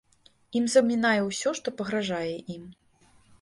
Ім замінае ўсё, што пагражае ім.